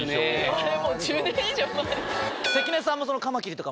これもう１０年以上前です